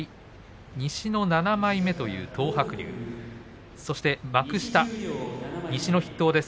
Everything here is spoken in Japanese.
西の７枚目という東白龍そして幕下、西の筆頭です。